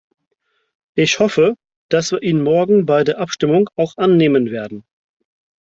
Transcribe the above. Ich hoffe, dass wir ihn morgen bei der Abstimmung auch annehmen werden.